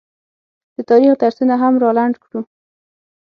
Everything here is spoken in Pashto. د تاریخ درسونه هم رالنډ کړو